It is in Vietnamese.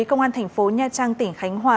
công an thành phố nha trang tỉnh khánh hòa